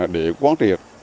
để quán triệt